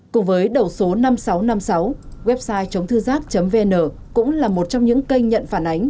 cùng với đầu số năm nghìn sáu trăm năm mươi sáu website chốngthưgiác vn cũng là một trong những kênh nhận phản ánh